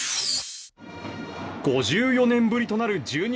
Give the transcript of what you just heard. ５４年ぶりとなる１２